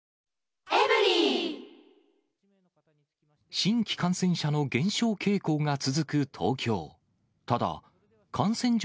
新規感染者の減少傾向が続く東京。